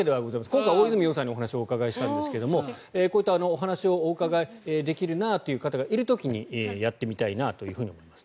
今回、大泉洋さんにお話をお伺いしたんですがこういったお話をお伺いできるなという方がいる時にやってみたいと思います。